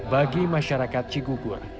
bagi masyarakat cikugur